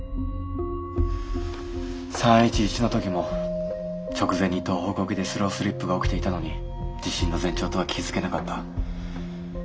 「３．１１の時も直前に東北沖でスロースリップが起きていたのに地震の前兆とは気付けなかった」。